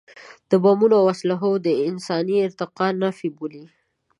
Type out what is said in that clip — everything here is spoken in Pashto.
د بمونو او اسلحو د انساني ارتقا نفي بولي.